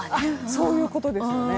そういうことですね。